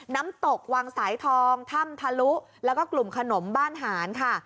น้ำตกวังสายทองถ้ำทะลุแล้วก็กลุ่มขนมบ้านหานค่ะ